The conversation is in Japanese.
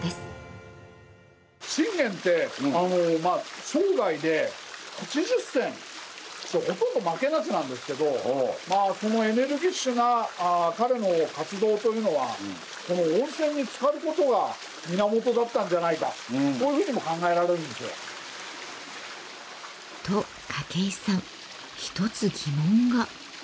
信玄って生涯で８０戦ほとんど負けなしなんですけどまあそのエネルギッシュな彼の活動というのはこの温泉につかることが源だったんじゃないかこういうふうにも考えられるんですよ。と筧さん一つ疑問が。